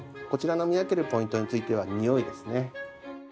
こちらの見分けるポイントについてはにおいですね。